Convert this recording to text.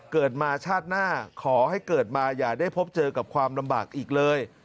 เกิดมาชาติหน้าขอให้เกิดมาอย่าได้พบเจอกับความลำบากอีกเลย